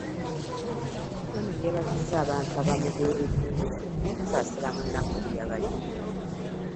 Omukyala ono yeebazizza abantu abamubeereddewo n'okumusaasira mu nnaku gye yabaddemu.